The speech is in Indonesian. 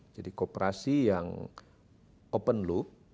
jadi kooperasi yang open loop